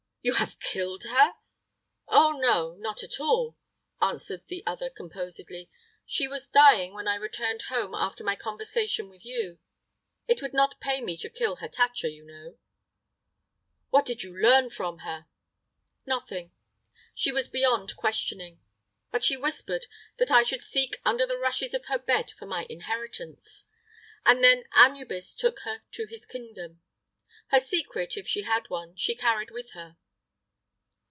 "You have killed her?" "Oh, no; not at all," answered the other composedly. "She was dying when I returned home after my conversation with you. It would not pay me to kill Hatatcha, you know." "What did you learn from her?" "Nothing. She was beyond questioning. But she whispered that I should seek under the rushes of her bed for my inheritance, and then Anubis took her to his kingdom. Her secret, if she had one, she carried with her."